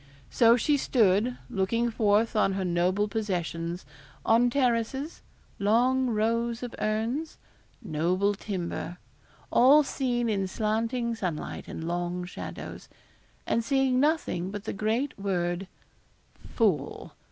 So she stood, looking forth on her noble possessions on terraces 'long rows of urns' noble timber all seen in slanting sunlight and long shadows and seeing nothing but the great word FOOL!